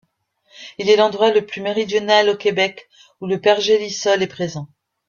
Il est l'endroit le plus méridional au Québec ou le pergélisol est présent.